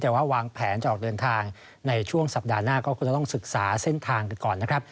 แต่ว่าวางแผนจะออกเดินทางในช่วงสัปดาห์หน้าก็คงจะต้องศึกษาเส้นทางกันก่อนนะครับ